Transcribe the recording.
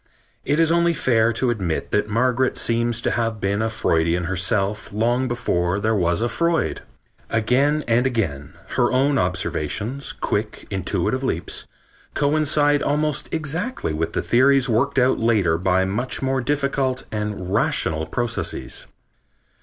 It is only fair to admit that Margaret seems to have been a Freudian herself long before there was a Freud. Again and again her own observations, quick, intuitive leaps, coincide almost exactly with theories worked out later by much more difficult and rational processes.